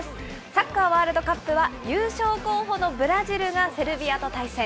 サッカーワールドカップは優勝候補のブラジルがセルビアと対戦。